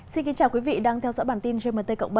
xin kính chào quý vị đang theo dõi bản tin gmt cộng bảy